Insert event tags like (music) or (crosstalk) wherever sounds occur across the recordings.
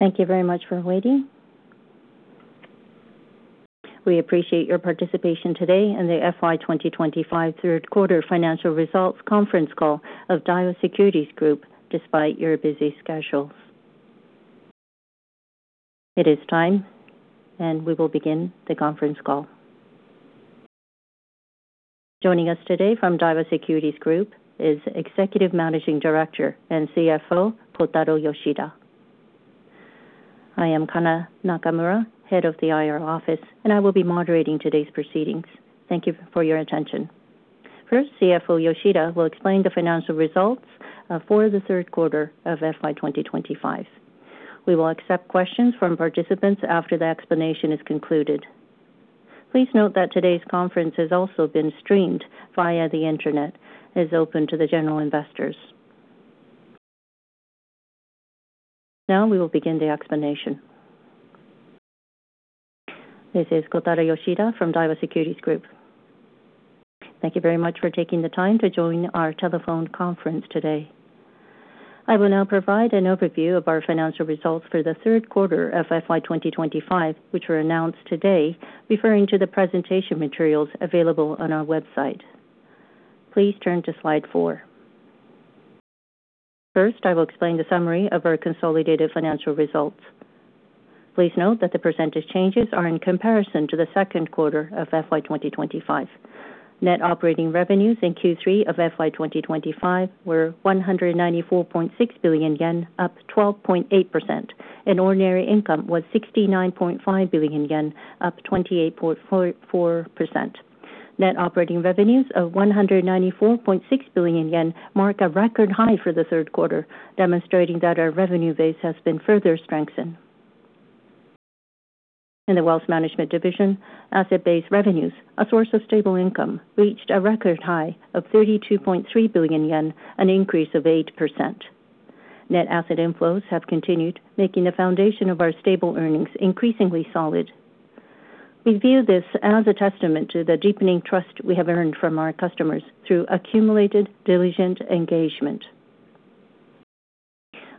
Thank you very much for waiting. We appreciate your participation today in the FY 2025 third-quarter financial results conference call of Daiwa Securities Group despite your busy schedules. It is time, and we will begin the conference call. Joining us today from Daiwa Securities Group is Executive Managing Director and CFO Kotaro Yoshida. I am Kana Nakamura, head of the IR office, and I will be moderating today's proceedings. Thank you for your attention. First, CFO Yoshida will explain the financial results for the third quarter of FY 2025. We will accept questions from participants after the explanation is concluded. Please note that today's conference has also been streamed via the internet and is open to the general investors. Now we will begin the explanation. This is Kotaro Yoshida from Daiwa Securities Group. Thank you very much for taking the time to join our telephone conference today. I will now provide an overview of our financial results for the third quarter of FY 2025, which were announced today, referring to the presentation materials available on our website. Please turn to slide four. First, I will explain the summary of our consolidated financial results. Please note that the percentage changes are in comparison to the second quarter of FY 2025. Net operating revenues in Q3 of FY 2025 were 194.6 billion yen, up 12.8%, and ordinary income was 69.5 billion yen, up 28.4%. Net operating revenues of 194.6 billion yen mark a record high for the third quarter, demonstrating that our revenue base has been further strengthened. In the Wealth Management Division, asset-based revenues, a source of stable income, reached a record high of 32.3 billion yen, an increase of 8%. Net asset inflows have continued, making the foundation of our stable earnings increasingly solid. We view this as a testament to the deepening trust we have earned from our customers through accumulated diligent engagement.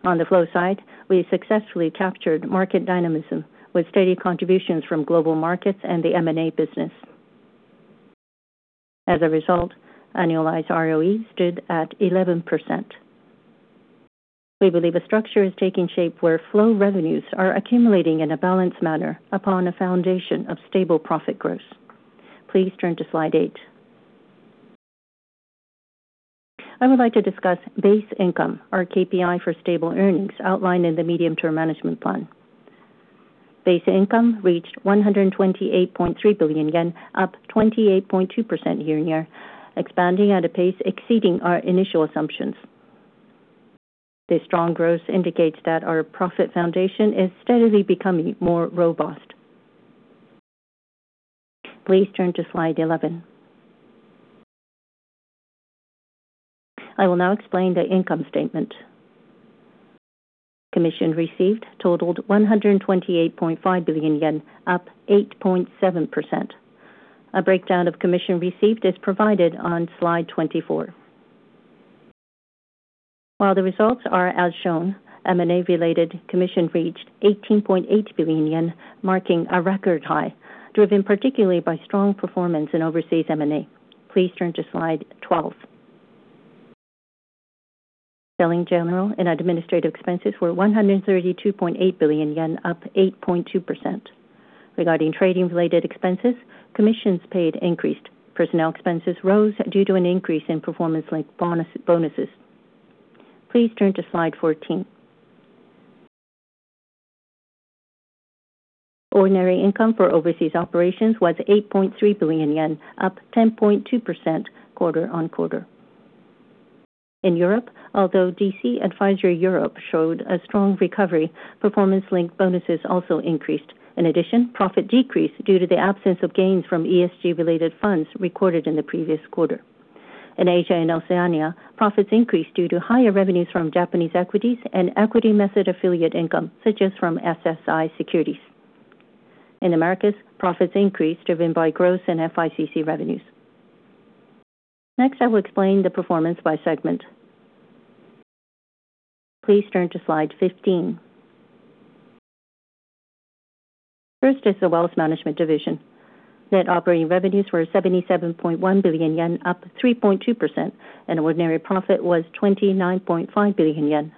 On the flow side, we successfully captured market dynamism with steady contributions from Global Markets and the M&A business. As a result, annualized ROE stood at 11%. We believe a structure is taking shape where flow revenues are accumulating in a balanced manner upon a foundation of stable profit growth. Please turn to slide eight. I would like to discuss base income, our KPI for stable earnings outlined in the medium-term management plan. Base income reached 128.3 billion yen, up 28.2% year-on-year, expanding at a pace exceeding our initial assumptions. This strong growth indicates that our profit foundation is steadily becoming more robust. Please turn to slide 11. I will now explain the income statement. Commission received totaled 128.5 billion yen, up 8.7%. A breakdown of commission received is provided on slide 24. While the results are as shown, M&A-related commission reached 18.8 billion yen, marking a record high, driven particularly by strong performance in overseas M&A. Please turn to slide 12. Selling general and administrative expenses were 132.8 billion yen, up 8.2%. Regarding trading-related expenses, commissions paid increased. Personnel expenses rose due to an increase in performance-linked bonuses. Please turn to slide 14. Ordinary income for overseas operations was 8.3 billion yen, up 10.2% quarter-on-quarter. In Europe, although DC Advisory Europe showed a strong recovery, performance-linked bonuses also increased. In addition, profit decreased due to the absence of gains from ESG-related funds recorded in the previous quarter. In Asia and Oceania, profits increased due to higher revenues from Japanese equities and equity method affiliate income, such as from SSI Securities. In the Americas, profits increased driven by growth and FICC revenues. Next, I will explain the performance by segment. Please turn to slide 15. First is the Wealth Management Division. Net operating revenues were 77.1 billion yen, up 3.2%, and ordinary profit was 29.5 billion yen.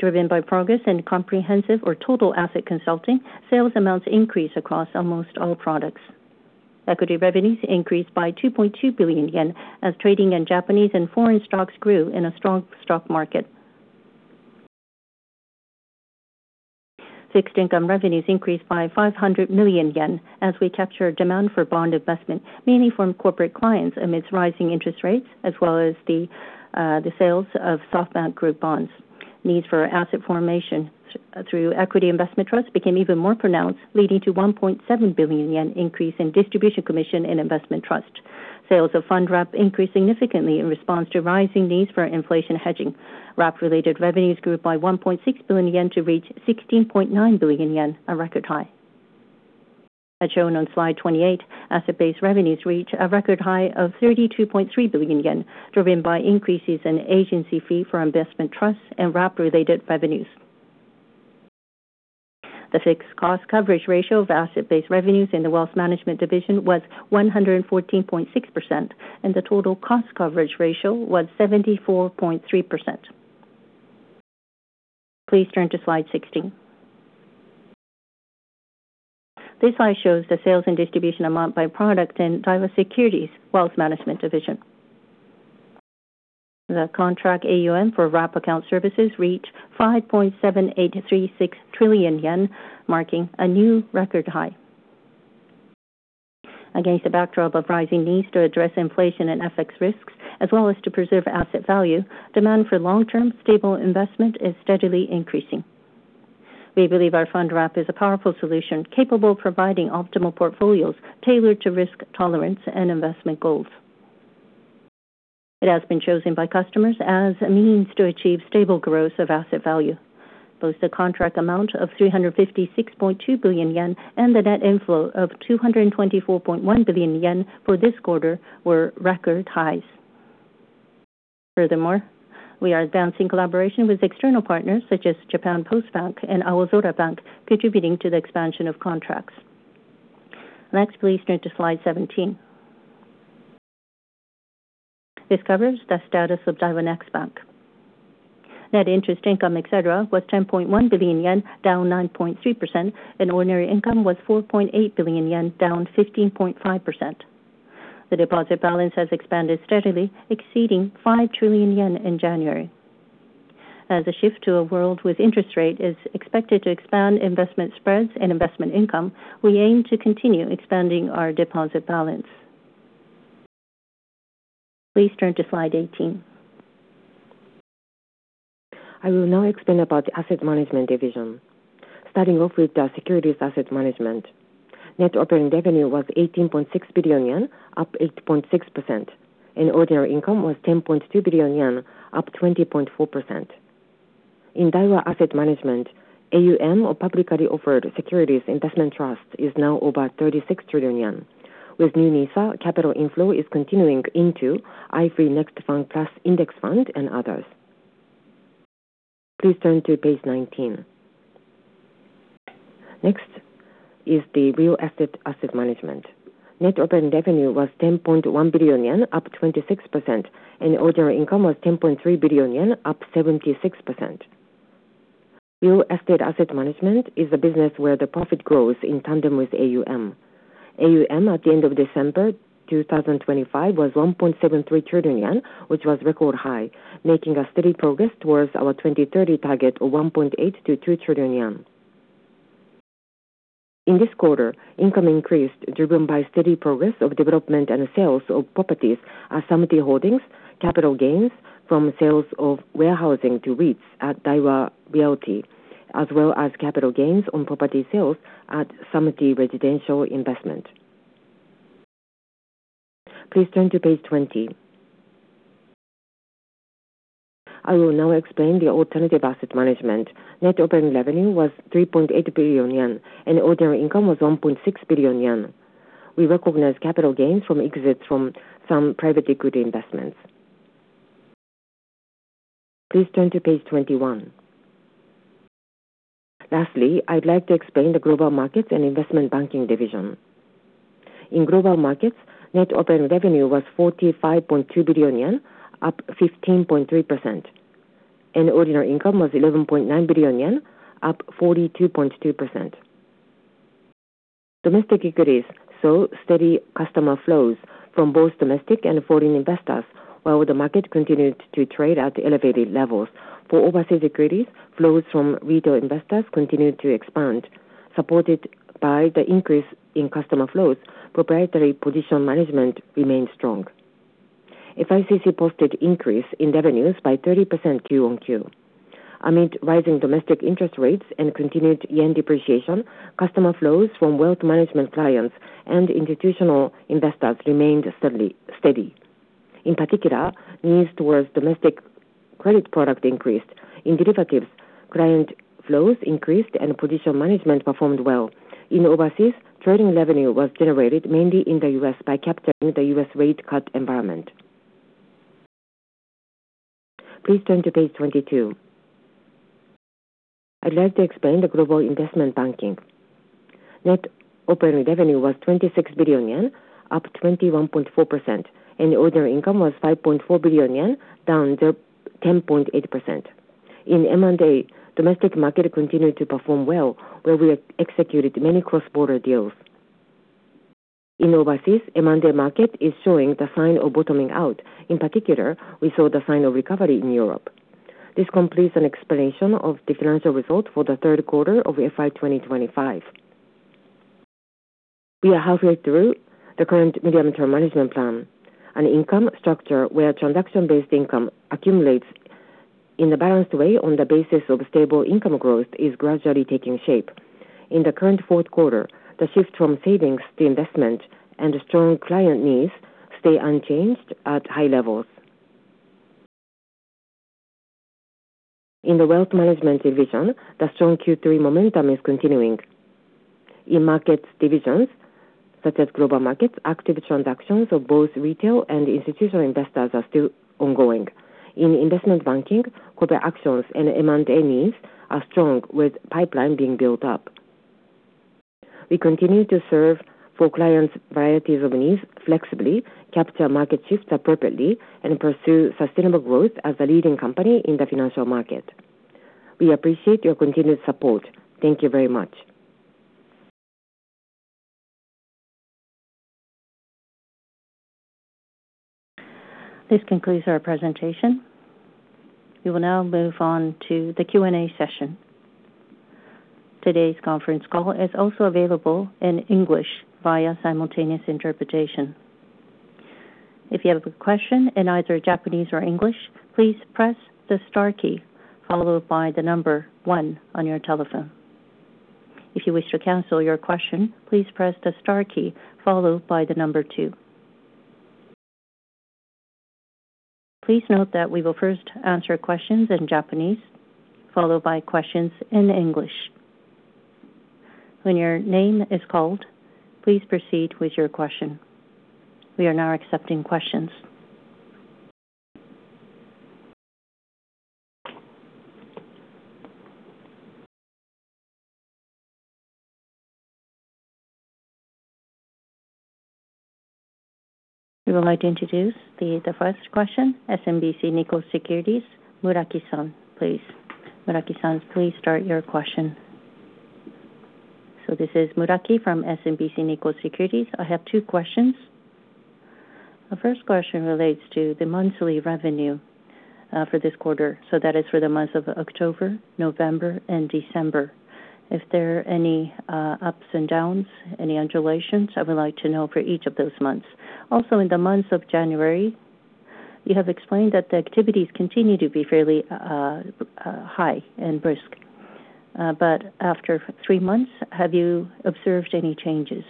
Driven by progress in comprehensive or total asset consulting, sales amounts increased across almost all products. Equity revenues increased by 2.2 billion yen as trading in Japanese and foreign stocks grew in a strong stock market. Fixed income revenues increased by 500 million yen as we captured demand for bond investment, mainly from corporate clients amidst rising interest rates as well as the sales of SoftBank Group bonds. Needs for asset formation through equity investment trust became even more pronounced, leading to 1.7 billion yen increase in distribution commission and investment trust. Sales of Fund Wrap increased significantly in response to rising needs for inflation hedging. Wrap-related revenues grew by 1.6 billion yen to reach 16.9 billion yen, a record high. As shown on slide 28, asset-based revenues reached a record high of 32.3 billion yen, driven by increases in agency fee for investment trust and wrap-related revenues. The fixed cost-coverage ratio of asset-based revenues in the Wealth Management Division was 114.6%, and the total cost-coverage ratio was 74.3%. Please turn to slide 16. This slide shows the sales and distribution amount by product in Daiwa Securities Wealth Management Division. The contract AUM for wrap account services reached 5.7836 trillion yen, marking a new record high. Against the backdrop of rising needs to address inflation and FX risks as well as to preserve asset value, demand for long-term stable investment is steadily increasing. We believe our Fund Wrap is a powerful solution capable of providing optimal portfolios tailored to risk tolerance and investment goals. It has been chosen by customers as a means to achieve stable growth of asset value. Both the contract amount of 356.2 billion yen and the net inflow of 224.1 billion yen for this quarter were record highs. Furthermore, we are advancing collaboration with external partners such as Japan Post Bank and Aozora Bank, contributing to the expansion of contracts. Next, please turn to slide 17. This covers the status of Daiwa Next Bank. Net interest income, etc., was 10.1 billion yen, down 9.3%, and ordinary income was 4.8 billion yen, down 15.5%. The deposit balance has expanded steadily, exceeding 5 trillion yen in January. As a shift to a world with interest rate is expected to expand investment spreads and investment income, we aim to continue expanding our deposit balance. Please turn to slide 18. I will now explain about the Asset Management Division, starting off with the securities asset management. Net operating revenue was 18.6 billion yen, up 8.6%, and ordinary income was 10.2 billion yen, up 20.4%. In Daiwa Asset Management, AUM of publicly offered securities investment trust is now over 36 trillion yen. With new NISA, capital inflow is continuing into iFreeNEXT FANG+ Index Fund and others. Please turn to page 19. Next is the Real Estate Asset Management. Net operating revenue was 10.1 billion yen, up 26%, and ordinary income was 10.3 billion yen, up 76%. Real estate asset management is a business where the profit grows in tandem with AUM. AUM at the end of December 2025 was 1.73 trillion yen, which was record high, making a steady progress towards our 2030 target of 1.8 trillion-2 trillion yen. In this quarter, income increased driven by steady progress of development and sales of properties at Samty Holdings, capital gains from sales of warehousing to REITs at Daiwa Realty, as well as capital gains on property sales at Samty Residential Investment. Please turn to page 20. I will now explain the alternative asset management. Net operating revenue was 3.8 billion yen, and ordinary income was 1.6 billion yen. We recognize capital gains from exits from some private equity investments. Please turn to page 21. Lastly, I'd like to explain the Global Markets and investment banking division. In Global Markets, net operating revenue was 45.2 billion yen, up 15.3%, and ordinary income was 11.9 billion yen, up 42.2%. Domestic equities saw steady customer flows from both domestic and foreign investors, while the market continued to trade at elevated levels. For overseas equities, flows from retail investors continued to expand. Supported by the increase in customer flows, proprietary position management remained strong. FICC posted increase in revenues by 30% quarter-on-quarter. Amid rising domestic interest rates and continued yen depreciation, customer flows from wealth management clients and institutional investors remained steady. In particular, needs towards domestic credit product increased. In derivatives, client flows increased and position management performed well. In overseas, trading revenue was generated mainly in the U.S. by capturing the U.S. rate cut environment. Please turn to page 22. I'd like to explain the Global Investment Banking. Net operating revenue was 26 billion yen, up 21.4%, and ordinary income was 5.4 billion yen, down 10.8%. In M&A, domestic market continued to perform well, where we executed many cross-border deals. In overseas, M&A market is showing the sign of bottoming out. In particular, we saw the sign of recovery in Europe. This completes an explanation of the financial results for the third quarter of FY 2025. We are halfway through the current medium-term management plan. An income structure where transaction-based income accumulates in a balanced way on the basis of stable income growth is gradually taking shape. In the current fourth quarter, the shift from savings to investment and strong client needs stay unchanged at high levels. In the Wealth Management Division, the strong Q3 momentum is continuing. In market divisions such as Global Markets, active transactions of both retail and institutional investors are still ongoing. In investment banking, corporate actions and M&A needs are strong, with a pipeline being built up. We continue to serve for clients' varieties of needs flexibly, capture market shifts appropriately, and pursue sustainable growth as the leading company in the financial market. We appreciate your continued support. Thank you very much. This concludes our presentation. We will now move on to the Q&A session. Today's conference call is also available in English via simultaneous interpretation. If you have a question in either Japanese or English, please press the star key, followed by the number 1 on your telephone. If you wish to cancel your question, please press the star key, followed by the number 2. Please note that we will first answer questions in Japanese, followed by questions in English. When your name is called, please proceed with your question. We are now accepting questions. We would like to introduce the first question, SMBC Nikko Securities, Muraki-san. Please, Muraki-san, please start your question. So this is Muraki from SMBC Nikko Securities. I have two questions. The first question relates to the monthly revenue for this quarter. So that is for the months of October, November, and December. If there are any ups and downs, any undulations, I would like to know for each of those months. Also, in the months of January, you have explained that the activities continue to be fairly high and brisk. But after three months, have you observed any changes?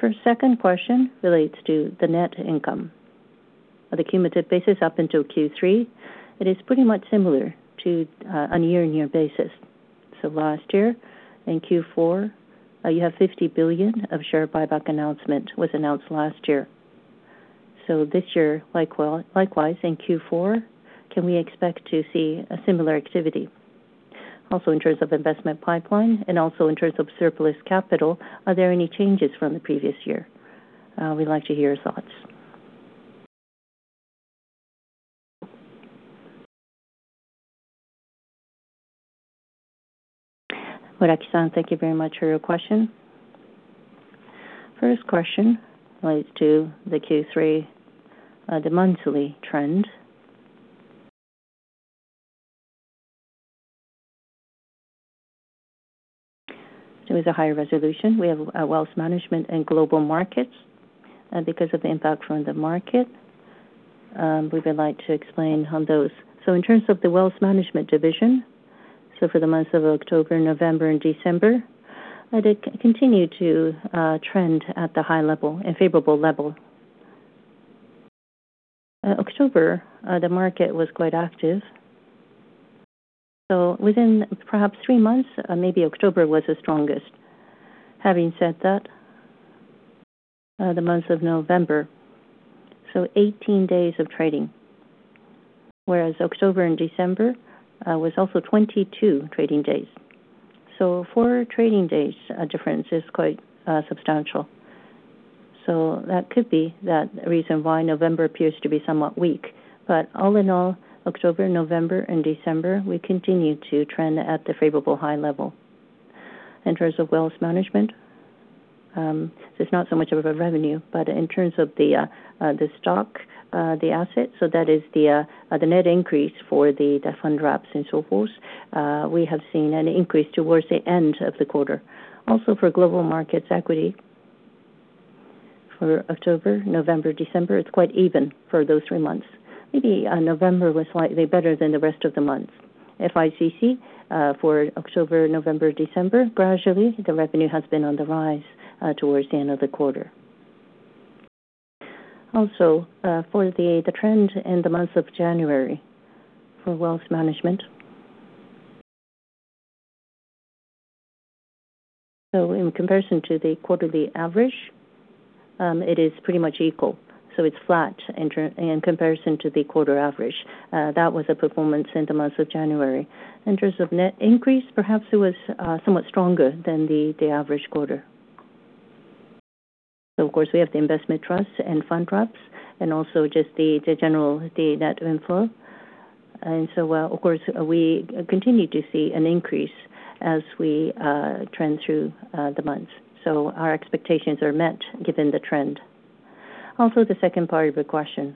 First, the second question relates to the net income. On a cumulative basis, up until Q3, it is pretty much similar to on a year-on-year basis. So last year in Q4, you have 50 billion of share buyback announcement was announced last year. So this year, likewise in Q4, can we expect to see a similar activity? Also, in terms of investment pipeline and also in terms of surplus capital, are there any changes from the previous year? We'd like to hear your thoughts. Muraki-san, thank you very much for your question. First question relates to the Q3, the monthly trend. There was a higher resolution. We have wealth management and Global Markets. Because of the impact from the market, we would like to explain how those so in terms of the Wealth Management Division, so for the months of October, November, and December, it continued to trend at the high level, a favorable level. October, the market was quite active. So within perhaps three months, maybe October was the strongest. Having said that, the months of November, so 18 days of trading, whereas October and December was also 22 trading days. So four trading days difference is quite substantial. So that could be that reason why November appears to be somewhat weak. But all in all, October, November, and December, we continue to trend at the favorable high level. In terms of wealth management, there's not so much of a revenue, but in terms of the stock, the asset, so that is the net increase for the Fund Wraps and so forth, we have seen an increase towards the end of the quarter. Also, for Global Markets equity, for October, November, December, it's quite even for those three months. Maybe November was slightly better than the rest of the months. FICC for October, November, December, gradually, the revenue has been on the rise towards the end of the quarter. Also, for the trend in the months of January for wealth management, so in comparison to the quarterly average, it is pretty much equal. So it's flat in comparison to the quarter average. That was a performance in the months of January. In terms of net increase, perhaps it was somewhat stronger than the average quarter. So, of course, we have the investment trusts and Fund Wraps and also just the general net inflow. And so, of course, we continue to see an increase as we trend through the months. So our expectations are met given the trend. Also, the second part of your question,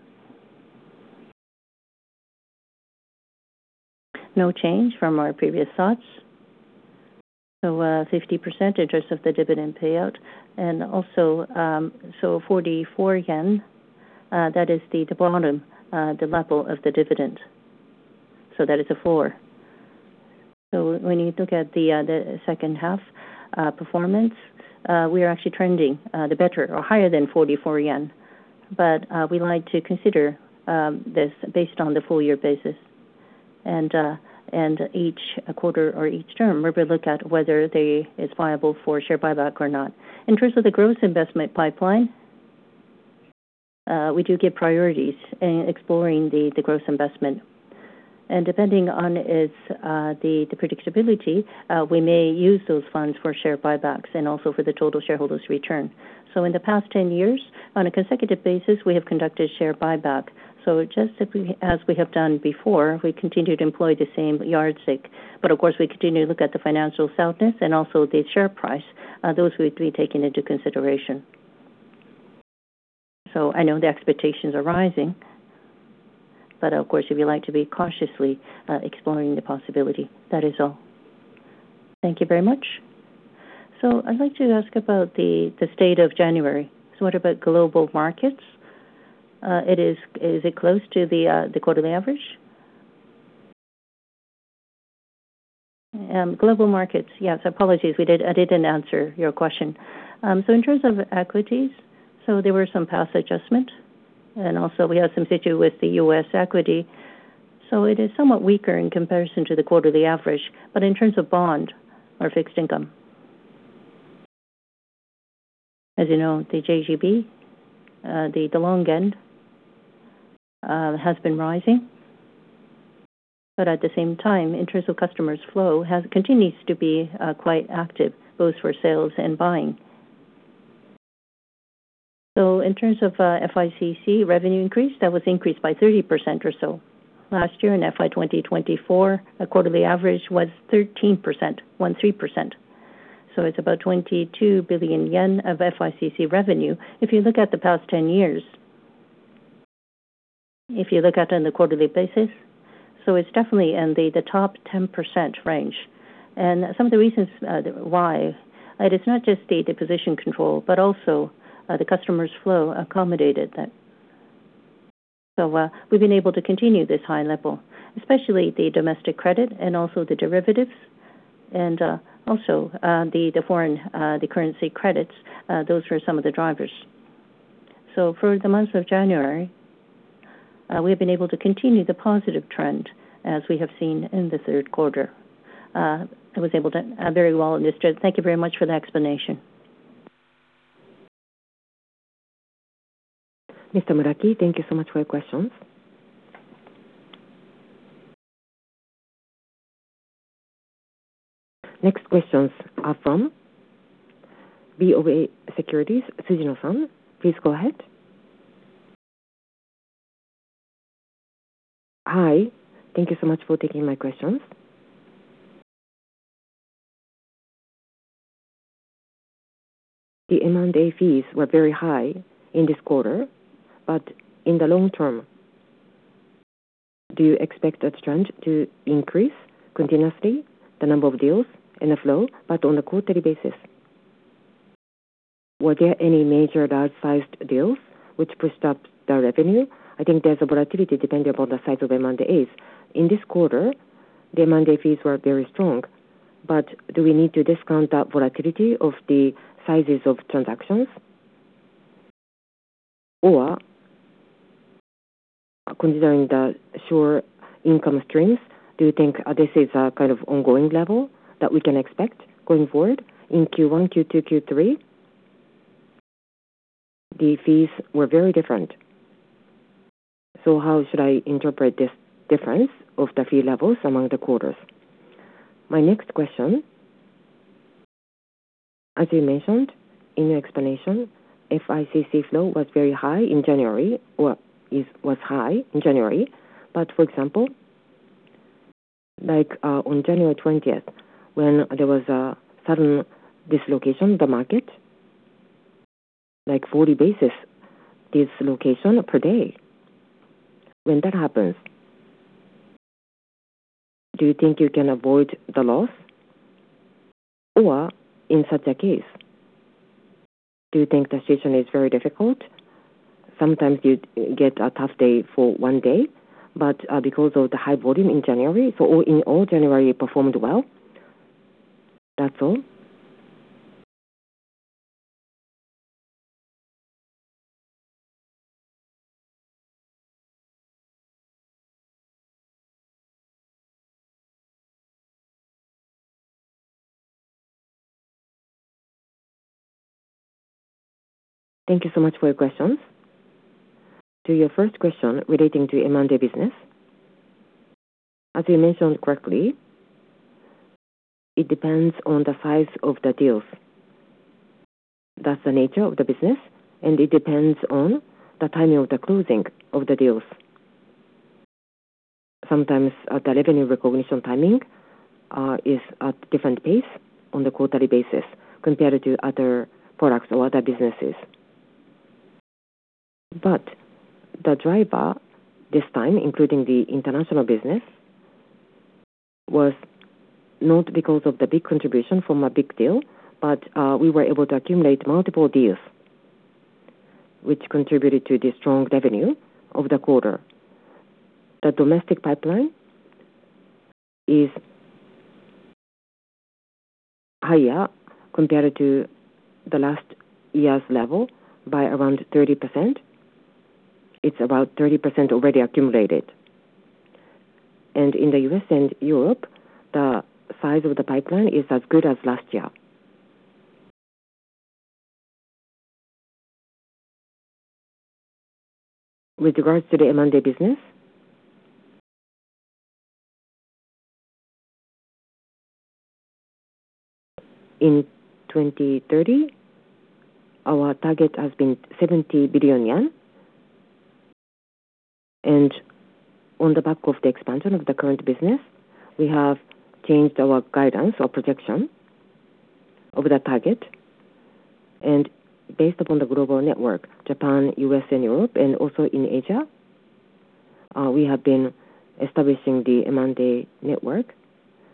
no change from our previous thoughts. So 50% in terms of the dividend payout and also so 44 yen, that is the bottom, the level of the dividend. So that is a four. So when you look at the second-half performance, we are actually trending the better or higher than 44 yen. We'd like to consider this based on the full-year basis and each quarter or each term, we're going to look at whether it's viable for share buyback or not. In terms of the gross investment pipeline, we do give priorities in exploring the gross investment. Depending on the predictability, we may use those funds for share buybacks and also for the total shareholders' return. In the past 10 years, on a consecutive basis, we have conducted share buyback. Just as we have done before, we continue to employ the same yardstick. Of course, we continue to look at the financial soundness and also the share price. Those would be taken into consideration. I know the expectations are rising. Of course, if you'd like to be cautiously exploring the possibility, that is all. Thank you very much. So I'd like to ask about the state of January. So what about Global Markets? Is it close to the quarterly average? Global markets, yes. Apologies, I didn't answer your question. So in terms of equities, so there were some past adjustments. And also, we have some issues with the U.S. equity. So it is somewhat weaker in comparison to the quarterly average. But in terms of bond or fixed income, as you know, the JGB, the long end has been rising. But at the same time, in terms of customers' flow, continues to be quite active, both for sales and buying. So in terms of FICC revenue increase, that was increased by 30% or so. Last year in FY 2024, a quarterly average was 13%, 13%. So it's about 22 billion yen of FICC revenue if you look at the past 10 years, if you look at it on the quarterly basis. So it's definitely in the top 10% range. And some of the reasons why, it is not just the position control, but also the customers' flow accommodated that. So we've been able to continue this high level, especially the domestic credit and also the derivatives and also the foreign, the currency credits. Those were some of the drivers. So for the months of January, we have been able to continue the positive trend as we have seen in the third quarter. I was able to very well understand. Thank you very much for the explanation. Mr. Muraki, thank you so much for your questions. Next questions are from BOA Securities, Tsujino-san. Please go ahead. Hi, thank you so much for taking my questions. The M&A fees were very high in this quarter. But in the long term, do you expect that trend to increase continuously, the number of deals and the flow, but on a quarterly basis? Were there any major large-sized deals which pushed up the revenue? I think there's a volatility depending upon the size of M&As. In this quarter, the M&A fees were very strong. But do we need to discount that volatility of the sizes of transactions? Or considering the core income streams, do you think this is a kind of ongoing level that we can expect going forward in Q1, Q2, Q3? The fees were very different. So how should I interpret this difference of the fee levels among the quarters? My next question, as you mentioned in your explanation, FICC flow was very high in January or was high in January. But, for example, on January 20th, when there was a sudden dislocation, the market, like 40 basis points dislocation per day. When that happens, do you think you can avoid the loss? Or in such a case, do you think the situation is very difficult? Sometimes you get a tough day for one day. But because of the high volume in January, so in all, January performed well. That's all. Thank you so much for your questions. To your first question relating to M&A business, as you mentioned correctly, it depends on the size of the deals. That's the nature of the business. And it depends on the timing of the closing of the deals. Sometimes the revenue recognition timing is at a different pace on a quarterly basis compared to other products or other businesses. But the driver this time, including the international business, was not because of the big contribution from a big deal, but we were able to accumulate multiple deals, which contributed to the strong revenue of the quarter. The domestic pipeline is higher compared to the last year's level by around 30%. It's about 30% already accumulated. In the U.S. and Europe, the size of the pipeline is as good as last year. With regards to the M&A business, in 2030, our target has been 70 billion yen. On the back of the expansion of the current business, we have changed our guidance or projection of the target. Based upon the global network, Japan, U.S., and Europe, and also in Asia, we have been establishing the M&A network.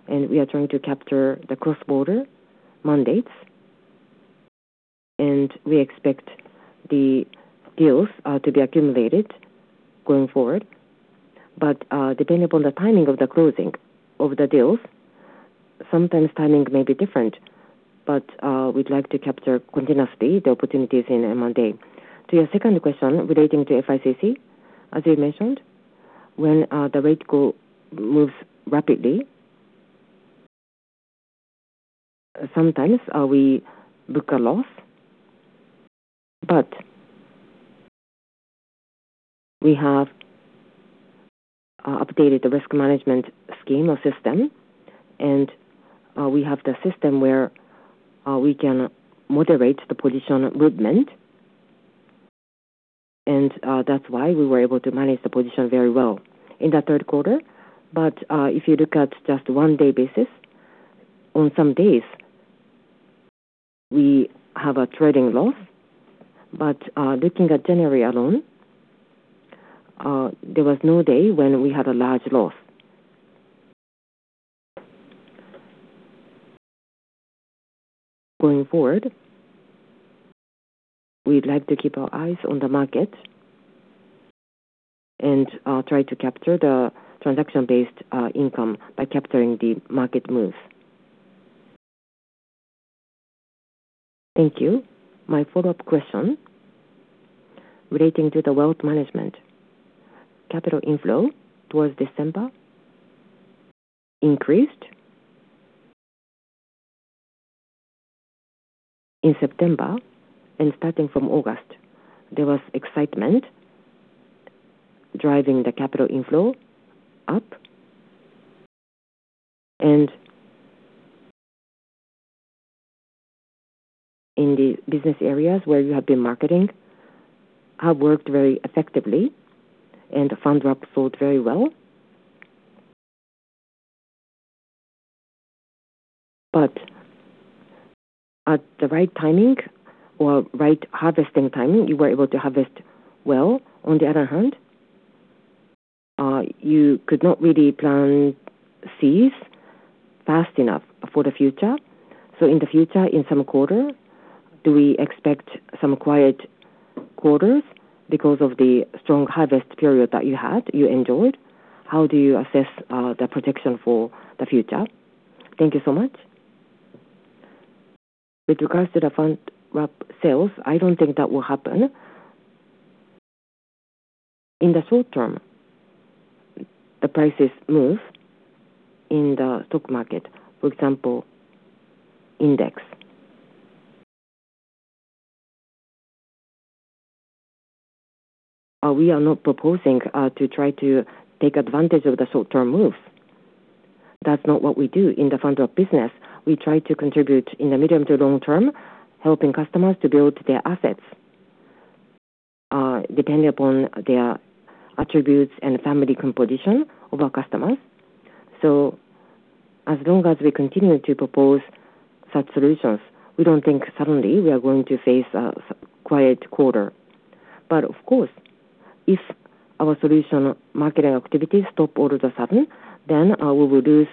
We are trying to capture the cross-border mandates. We expect the deals to be accumulated going forward. But depending upon the timing of the closing of the deals, sometimes timing may be different. But we'd like to capture continuously the opportunities in M&A. To your second question relating to FICC, as you mentioned, when the rate moves rapidly, sometimes we book a loss. But we have updated the risk management scheme or system. And we have the system where we can moderate the position movement. And that's why we were able to manage the position very well in the third quarter. But if you look at just one-day basis, on some days, we have a trading loss. But looking at January alone, there was no day when we had a large loss. Going forward, we'd like to keep our eyes on the market and try to capture the transaction-based income by capturing the market moves. Thank you. My follow-up question relating to the wealth management: capital inflow towards December increased in September and starting from August. There was excitement driving the capital inflow up. In the business areas where you have been marketing, have worked very effectively. Fund wraps sold very well. But at the right timing or right harvesting timing, you were able to harvest well. On the other hand, you could not really plan seeds fast enough for the future. So in the future, in some quarter, do we expect some quiet quarters because of the strong harvest period that you had, you enjoyed? How do you assess the projection for the future? Thank you so much. With regards to the Fund Wrap sales, I don't think that will happen. In the short term, the prices move in the stock market, for example, index. We are not proposing to try to take advantage of the short-term moves. That's not what we do in the Fund Wrap business. We try to contribute in the medium to long term, helping customers to build their assets depending upon their attributes and family composition of our customers. So as long as we continue to propose such solutions, we don't think suddenly we are going to face a quiet quarter. But, of course, if our solution marketing activities stop all of a sudden, then we will lose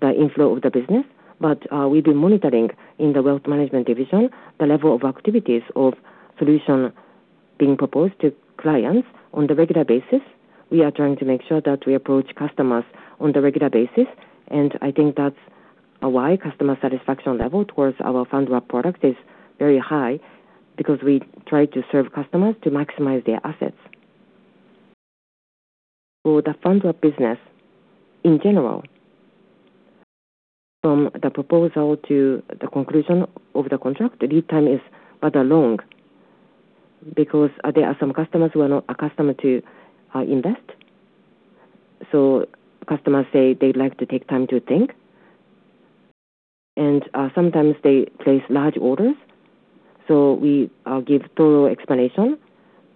the inflow of the business. But we've been monitoring in the wealth management division the level of activities of solution being proposed to clients on a regular basis. We are trying to make sure that we approach customers on a regular basis. I think that's why customer satisfaction level towards our Fund Wrap product is very high because we try to serve customers to maximize their assets. For the Fund Wrap business in general, from the proposal to the conclusion of the contract, lead time is rather long because there are some customers who are not accustomed to invest. Customers say they'd like to take time to think. Sometimes they place large orders. We give thorough explanation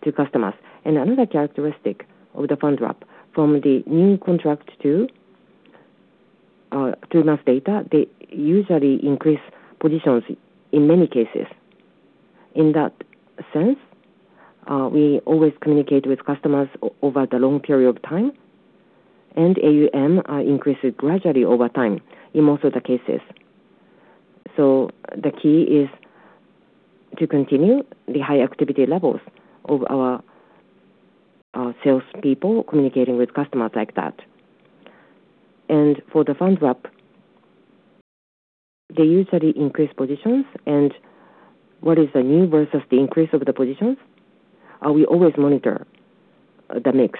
to customers. Another characteristic of the Fund Wrap, from the new contract to three months data, they usually increase positions in many cases. In that sense, we always communicate with customers over the long period of time. AUM increases gradually over time in most of the cases. The key is to continue the high activity levels of our salespeople communicating with customers like that. For the Fund Wrap, they usually increase positions. What is the new versus the increase of the positions? We always monitor the mix.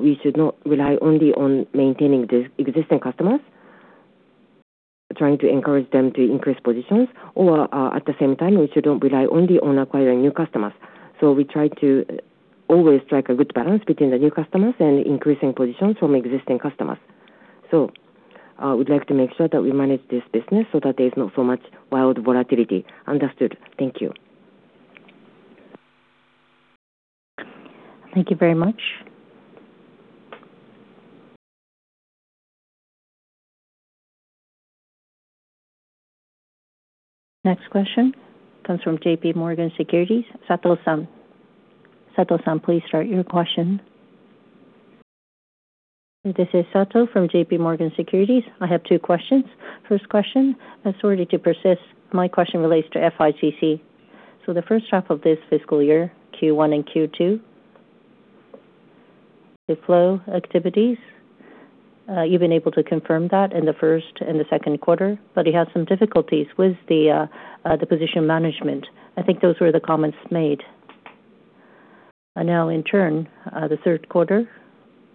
We should not rely only on maintaining existing customers, trying to encourage them to increase positions. Or at the same time, we should not rely only on acquiring new customers. So we try to always strike a good balance between the new customers and increasing positions from existing customers. So I would like to make sure that we manage this business so that there's not so much wild volatility. Understood. Thank you. Thank you very much. Next question comes from JP Morgan Securities. Sato-san, please start your question. This is Sato from JP Morgan Securities. I have two questions. First question, sorry to persist. My question relates to FICC. So the first half of this fiscal year, Q1 and Q2, the flow activities, you've been able to confirm that in the first and the second quarter. But you had some difficulties with the position management. I think those were the comments made. Now, in turn, the third quarter,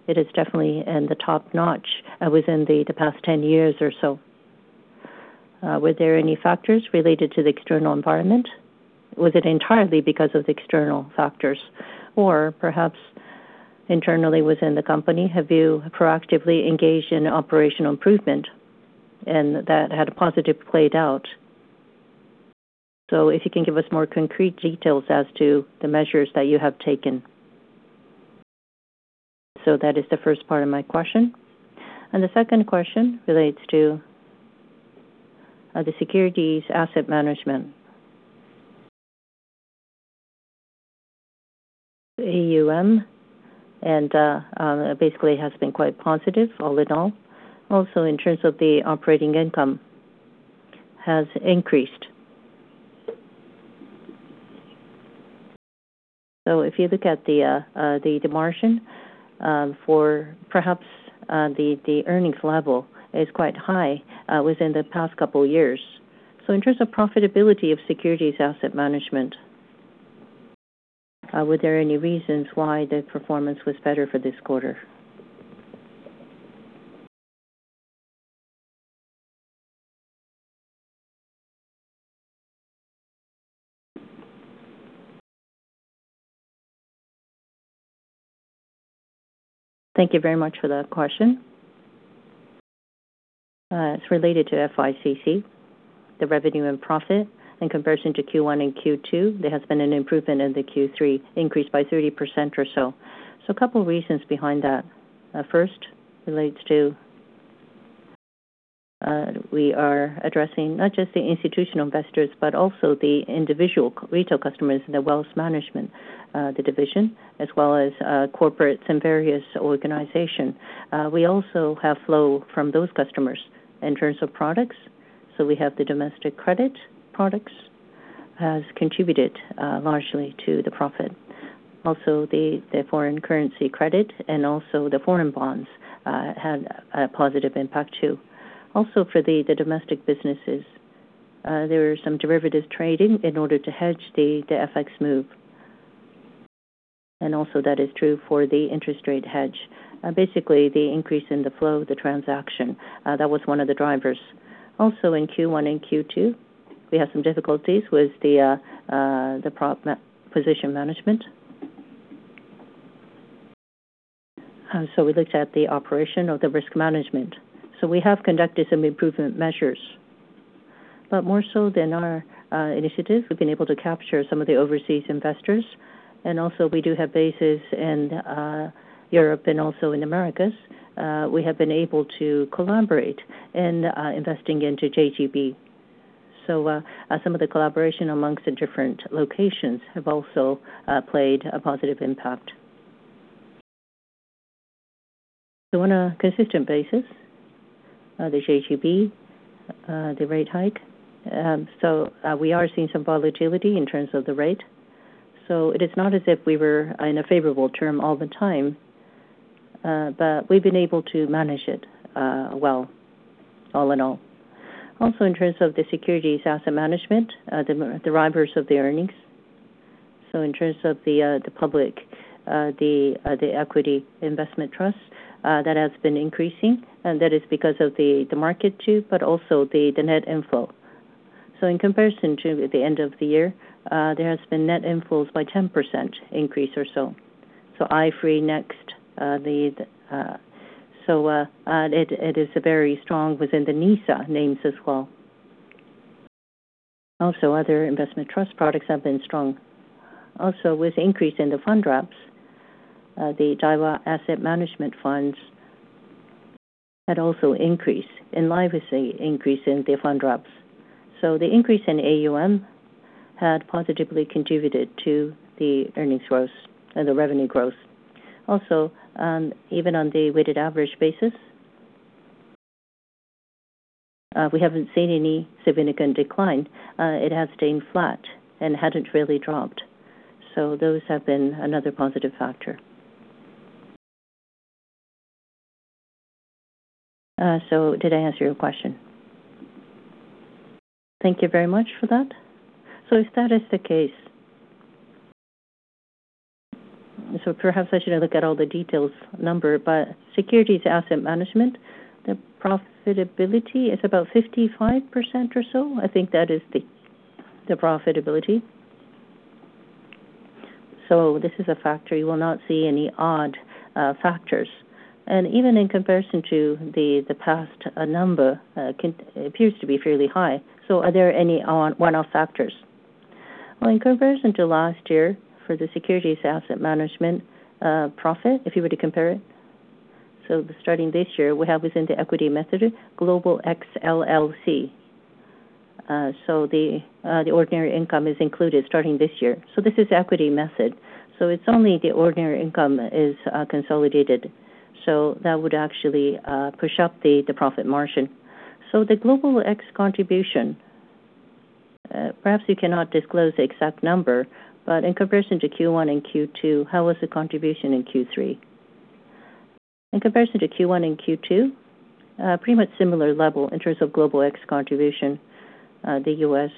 it is definitely top-notch within the past 10 years or so. Were there any factors related to the external environment? Was it entirely because of the external factors? Or perhaps internally within the company, have you proactively engaged in operational improvement and that had a positive played out? So if you can give us more concrete details as to the measures that you have taken. So that is the first part of my question. The second question relates to the securities asset management, AUM. Basically, it has been quite positive all in all. Also, in terms of the operating income, has increased. So if you look at the margin for perhaps the earnings level, it's quite high within the past couple of years. So in terms of profitability of securities asset management, were there any reasons why the performance was better for this quarter? Thank you very much for that question. It's related to FICC, the revenue and profit. In comparison to Q1 and Q2, there has been an improvement in the Q3, increased by 30% or so. So a couple of reasons behind that. First, relates to we are addressing not just the institutional investors, but also the individual retail customers in the wealth management division, as well as corporates and various organizations. We also have flow from those customers in terms of products. So we have the domestic credit products has contributed largely to the profit. Also, the foreign currency credit and also the foreign bonds had a positive impact too. Also, for the domestic businesses, there are some derivative trading in order to hedge the FX move. And also, that is true for the interest rate hedge. Basically, the increase in the flow, the transaction, that was one of the drivers. Also, in Q1 and Q2, we have some difficulties with the position management. So we looked at the operation of the risk management. So we have conducted some improvement measures. But more so than our initiative, we've been able to capture some of the overseas investors. And also, we do have bases in Europe and also in Americas. We have been able to collaborate in investing into JGB. So some of the collaboration amongst the different locations have also played a positive impact. So on a consistent basis, the JGB, the rate hike. So we are seeing some volatility in terms of the rate. So it is not as if we were in a favorable term all the time. But we've been able to manage it well all in all. Also, in terms of the securities asset management, the drivers of the earnings. So in terms of the public, the equity investment trust, that has been increasing. And that is because of the market too, but also the net inflow. So in comparison to the end of the year, there has been net inflows by 10% increase or so. So iFreeNEXT. So it is very strong within the NISA names as well. Also, other investment trust products have been strong. Also, with increase in the Fund Wraps, the Daiwa Asset Management Funds had also increased due to the increase in the Fund Wraps. So the increase in AUM had positively contributed to the earnings growth and the revenue growth. Also, even on the weighted average basis, we haven't seen any significant decline. It has stayed flat and hadn't really dropped. So those have been another positive factor. So did I answer your question? Thank you very much for that. So if that is the case, so perhaps I shouldn't look at all the details number. But securities asset management, the profitability is about 55% or so. I think that is the profitability. So this is a factor. You will not see any odd factors. And even in comparison to the past number, it appears to be fairly high. So are there any one-off factors? Well, in comparison to last year for the securities asset management profit, if you were to compare it, so starting this year, we have within the equity method, Global X LLC. So the ordinary income is included starting this year. So this is equity method. So it's only the ordinary income is consolidated. So that would actually push up the profit margin. So the Global X contribution, perhaps you cannot disclose the exact number. But in comparison to Q1 and Q2, how was the contribution in Q3? In comparison to Q1 and Q2, pretty much similar level in terms of Global X contribution. The U.S.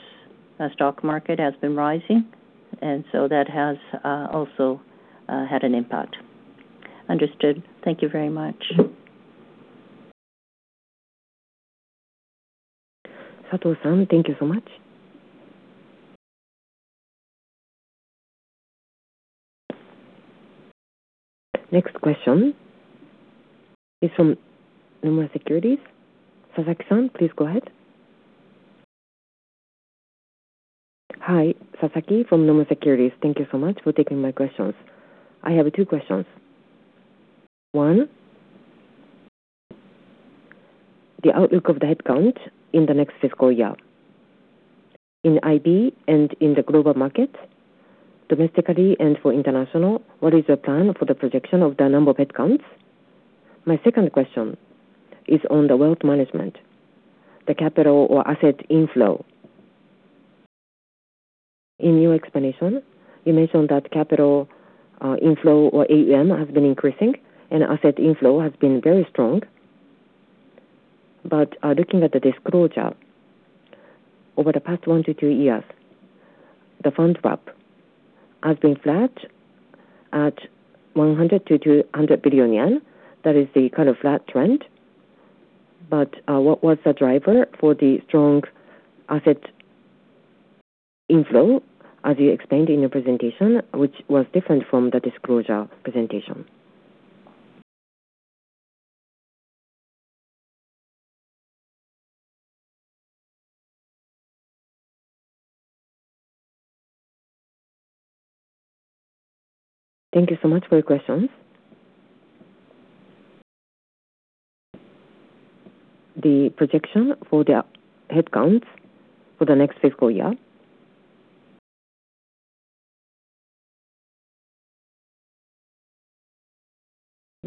stock market has been rising. And so that has also had an impact. Understood. Thank you very much. Sato-san, thank you so much. Next question is from Nomura Securities. Sasaki-san, please go ahead. Hi, Sasaki from Nomura Securities. Thank you so much for taking my questions. I have two questions. One, the outlook of the headcount in the next fiscal year. In IB and in the global market, domestically and for international, what is the plan for the projection of the number of headcounts? My second question is on the wealth management, the capital or asset inflow. In your explanation, you mentioned that capital inflow or AUM has been increasing and asset inflow has been very strong. But looking at the disclosure over the past 1-2 years, the Fund Wrap has been flat at 100 billion-200 billion yen. That is the kind of flat trend. But what was the driver for the strong asset inflow, as you explained in your presentation, which was different from the disclosure presentation? Thank you so much for your questions. The projection for the headcounts for the next fiscal year,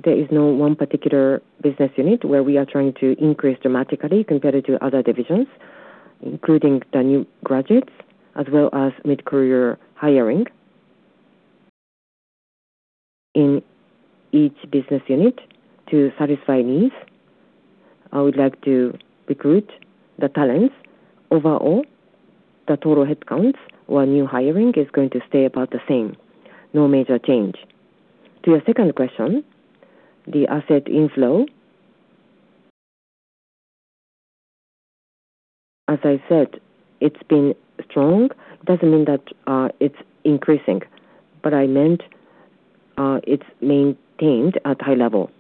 there is no one particular business unit where we are trying to increase dramatically compared to other divisions, including the new graduates as well as mid-career hiring. In each business unit, to satisfy needs, I would like to recruit the talents. Overall, the total headcounts or new hiring is going to stay about the same. No major change. To your second question, the asset inflow, as I said, it's been strong. It doesn't mean that it's increasing. But I meant it's maintained at high level.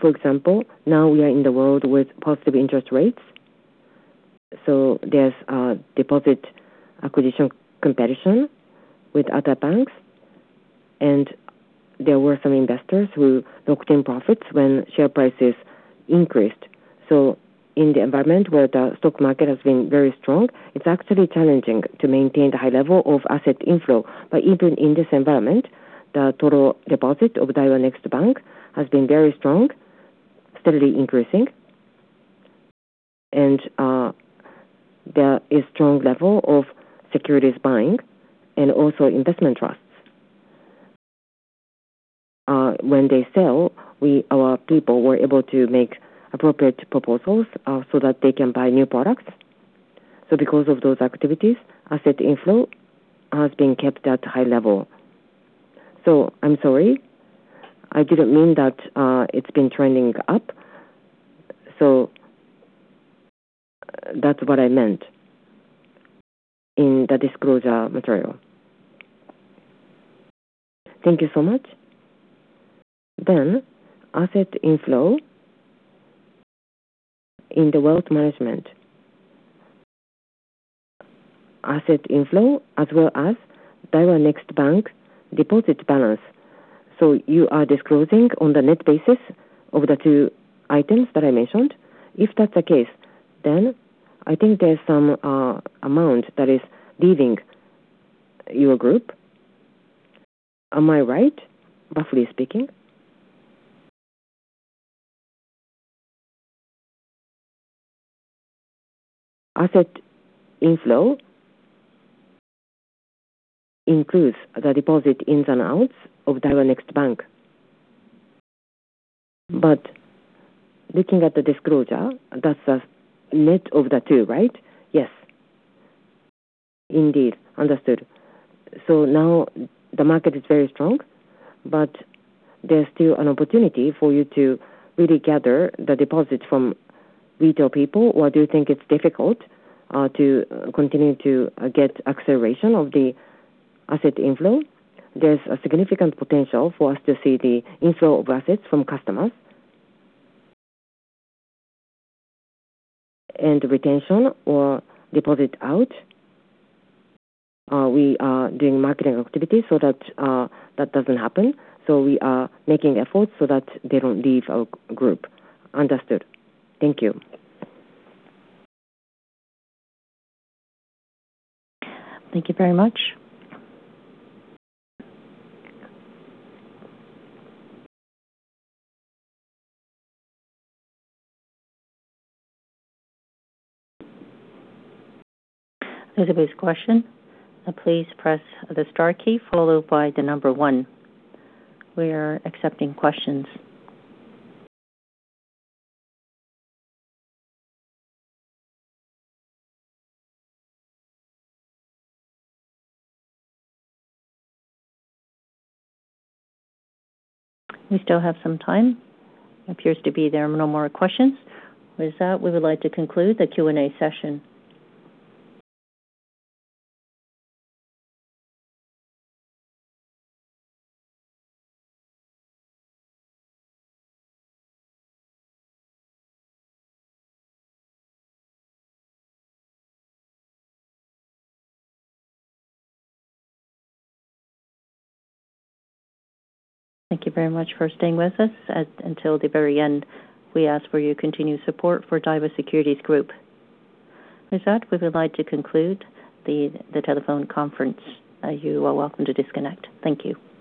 For example, now we are in the world with positive interest rates. So there's deposit acquisition competition with other banks. There were some investors who locked in profits when share prices increased. So in the environment where the stock market has been very strong, it's actually challenging to maintain the high level of asset inflow. But even in this environment, the total deposit of Daiwa Next Bank has been very strong, steadily increasing. And there is a strong level of securities buying and also investment trusts. When they sell, our people were able to make appropriate proposals so that they can buy new products. So because of those activities, asset inflow has been kept at high level. So I'm sorry. I didn't mean that it's been trending up. So that's what I meant in the disclosure material. Thank you so much. Then, asset inflow in the wealth management, asset inflow as well as Daiwa Next Bank deposit balance. So you are disclosing on the net basis of the two items that I mentioned. If that's the case, then I think there's some amount that is leaving your group. Am I right, roughly speaking? Asset inflow includes the deposit ins and outs of Daiwa Next Bank. But looking at the disclosure, that's the net of the two, right? Yes. Indeed. Understood. So now the market is very strong. But there's still an opportunity for you to really gather the deposit from retail people. While do you think it's difficult to continue to get acceleration of the asset inflow, there's a significant potential for us to see the inflow of assets from customers and retention or deposit out. We are doing marketing activities so that that doesn't happen. So we are making efforts so that they don't leave our group. Understood. Thank you. Thank you very much. (inaudible) question, please press the star key followed by the number 1. We are accepting questions. We still have some time. It appears to be there are no more questions. With that, we would like to conclude the Q&A session. Thank you very much for staying with us. Until the very end, we ask for your continued support for Daiwa Securities Group. With that, we would like to conclude the telephone conference. You are welcome to disconnect. Thank you.